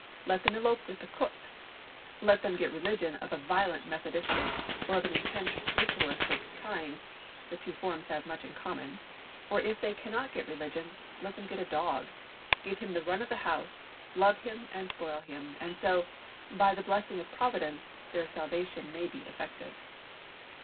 Let them elope with the cook; let them get religion of a violent Methodistic, or of an intense Ritualistic, kind (the two forms have much in common); or if they cannot get religion, let them get a dog, give him the run of the house, love him and spoil him, and so, by the blessing of Providence, their salvation may be effected.